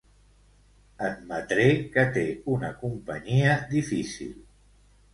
Admetré que té una companyia difícil.